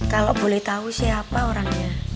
kalau boleh tahu siapa orangnya